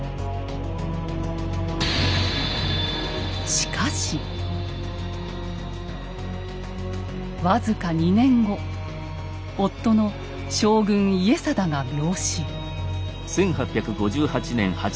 しかし僅か２年後夫の将軍・家定が病死。